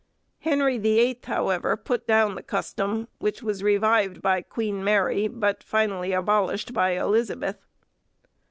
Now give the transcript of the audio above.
Henry the Eighth, however, put down the custom, which was revived by Queen Mary, but finally abolished by Elizabeth.